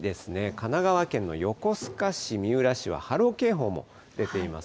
神奈川県の横須賀市、三浦市は波浪警報も出ています。